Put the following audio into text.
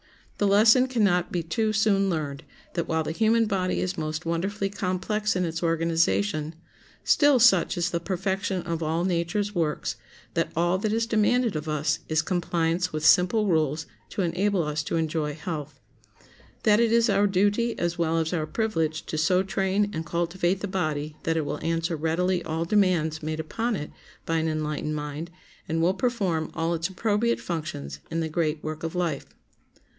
The lesson can not be too soon learned that, while the human body is most wonderfully complex in its organization, still such is the perfection of all nature's works that all that is demanded of us is compliance with simple rules, to enable us to enjoy health. That it is our duty as well as our privilege to so train and cultivate the body that it will answer readily all demands made upon it by an enlightened mind, and will perform all its appropriate functions in the great work of life.